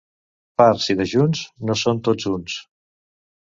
Farts i dejuns no són tots uns.